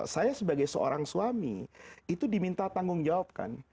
saya sebagai seorang suami itu diminta tanggung jawabkan